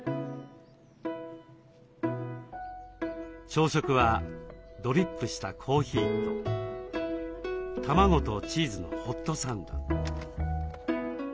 朝食はドリップしたコーヒーと卵とチーズのホットサンド。